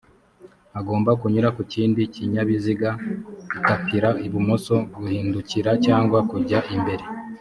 agomba kunyura ku kindi kinyabiziga gukatira ibumoso guhindukira cyangwa kujya imbere